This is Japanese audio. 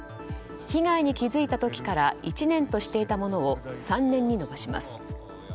被害に気付いた時から１年としていたものを３年に延ばします。